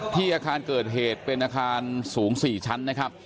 อาคารเกิดเหตุเป็นอาคารสูง๔ชั้นนะครับ